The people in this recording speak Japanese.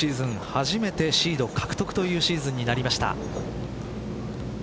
初めてシード獲得というシーズンになりました。